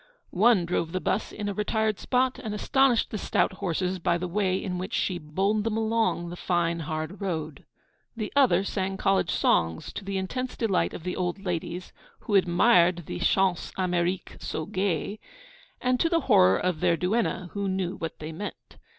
One drove the bus in a retired spot and astonished the stout horses by the way in which she bowled them along the fine, hard road. The other sang college songs, to the intense delight of the old ladies, who admired the 'chants Amériques so gay,' and to the horror of their duenna, who knew what they meant.